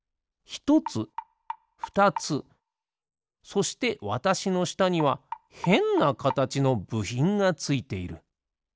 そしてわたしのしたにはへんなかたちのぶひんがついている。